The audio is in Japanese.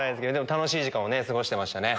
楽しい時間を過ごしてましたね。